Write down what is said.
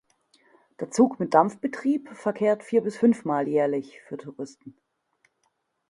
Der Zug mit Dampfbetrieb verkehrt vier- bis fünfmal jährlich für Touristen.